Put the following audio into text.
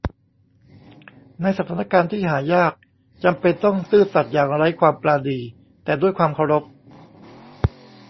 ในสถานการณ์ที่หายากจำเป็นต้องซื่อสัตย์อย่างไร้ความปราณี แต่ด้วยความเคารพ